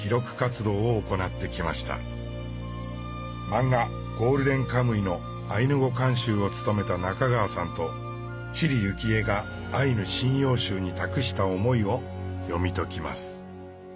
漫画「ゴールデンカムイ」のアイヌ語監修を務めた中川さんと知里幸恵が「アイヌ神謡集」に託した思いを読み解きます。